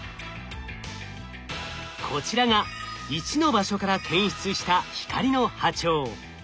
こちらが１の場所から検出した光の波長。